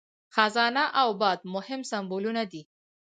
خزانه او باد مهم سمبولونه دي.